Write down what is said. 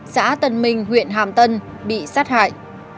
xã tân minh huyện hàm tân bị sát hại